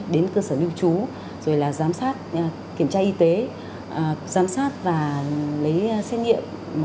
đến cơ sở lưu trú rồi là kiểm tra y tế giám sát và lấy xét nghiệm